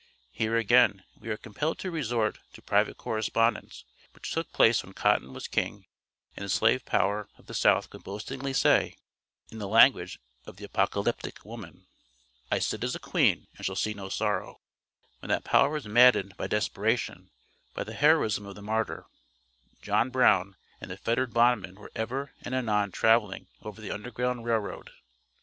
Here again we are compelled to resort to private correspondence which took place when Cotton was King, and the Slave power of the South could boastingly say, in the language of the apocalyptic woman, "I sit as a queen, and shall see no sorrow," when that power was maddened to desperation, by the heroism of the martyr, John Brown, and the fettered bondmen were ever and anon traveling over the Underground Rail Road.